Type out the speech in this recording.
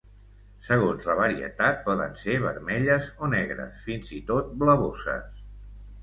Segons la varietat, poden ser vermelles o negres, fins i tot blavoses.